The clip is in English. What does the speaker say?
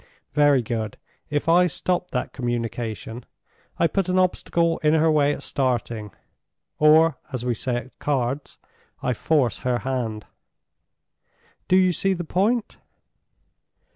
Very good. If I stop that communication, I put an obstacle in her way at starting—or, as we say at cards, I force her hand. Do you see the point?"